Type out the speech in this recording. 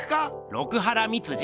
六波羅蜜寺！